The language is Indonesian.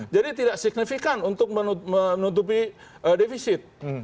jadi tidak signifikan untuk menutupi defisit